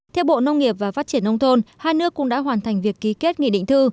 theo bộ nông nghiệp và phát triển nông thôn hai nước cũng đã hoàn thành việc ký kết nghị định thư